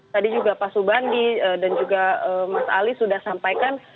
tadi juga pak subandi dan juga mas ali sudah sampaikan